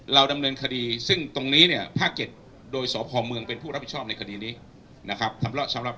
ดำเนินคดีซึ่งตรงนี้เนี่ยภาค๗โดยสพเมืองเป็นผู้รับผิดชอบในคดีนี้นะครับ